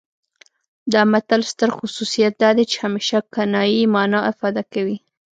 د متل ستر خصوصیت دا دی چې همیشه کنايي مانا افاده کوي